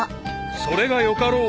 ［それがよかろう］